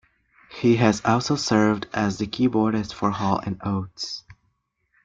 He has also served as the keyboardist for Hall and Oates.